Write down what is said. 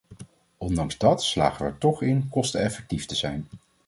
Ondanks dat slagen we er toch in kosteneffectief te zijn.